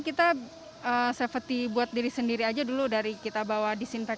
kita safety buat diri sendiri aja dulu dari kita bawa disinfektan